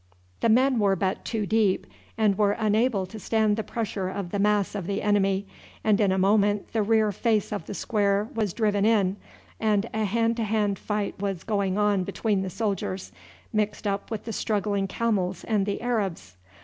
"] The men were but two deep, and were unable to stand the pressure of the mass of the enemy, and in a moment the rear face of the square was driven in, and a hand to hand fight was going on between the soldiers, mixed up with the struggling camels and the Arabs.